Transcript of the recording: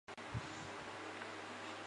环境食物局唯一一任局长为任关佩英。